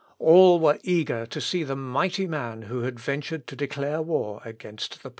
All were eager to see the mighty man who had ventured to declare war against the pope.